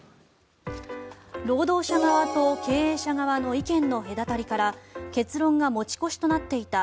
労働者側と経営者側の意見の隔たりから結論が持ち越しとなっていた